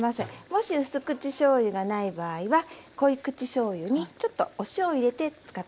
もしうす口しょうゆがない場合は濃い口しょうゆにちょっとお塩を入れて使って下さい。